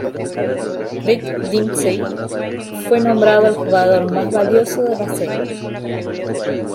Rick Dempsey fue nombrado el jugador más valioso de la serie.